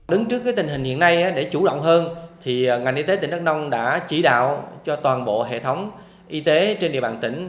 đứng trước tình hình hiện nay để chủ động hơn ngành y tế tỉnh đắk nông đã chỉ đạo cho toàn bộ hệ thống y tế trên địa bàn tỉnh